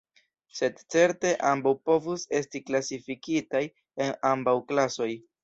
Sed certe ambaŭ povus esti klasifikitaj en ambaŭ klasoj.